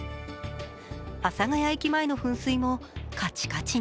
阿佐ケ谷駅前の噴水もカチカチに。